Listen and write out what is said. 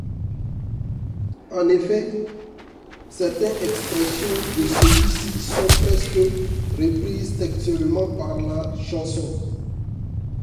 En effet, certaines expressions de celui-ci sont presque reprises textuellement par la chanson.